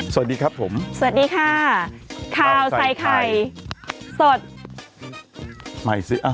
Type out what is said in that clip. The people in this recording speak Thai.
สวัสดีครับผมสวัสดีค่ะข้าวใส่ไข่สดใหม่สิ